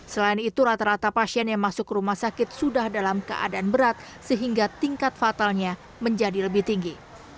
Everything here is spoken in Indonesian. selain itu rata rata pasien yang masuk ke rumah sakit sudah dalam keadaan berat sehingga tingkat fatalnya menjadi lebih tinggi